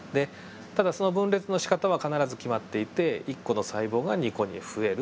ただその分裂のしかたは必ず決まっていて１個の細胞が２個に増えるというだけなんですね。